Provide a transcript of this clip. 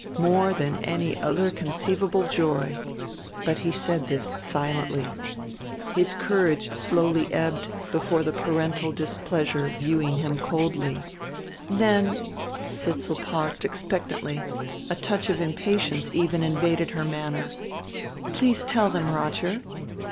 More than any other conceivable joy. But he said this silently. His courage slowly ebbed before the parental displeasure viewing him coldly. "Then " Sidsall paused expectantly, a touch of impatience even invaded her manner. "Please tell them, Roger."